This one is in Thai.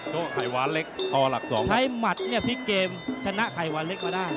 ก็ไข่วาเล็กทอหลักสองครับใช้หมัดเนี้ยพรีกเกมชนะไข่วาเล็กมาด้าน